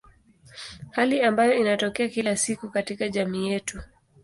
Hali ambayo inatokea kila siku katika jamii yetu.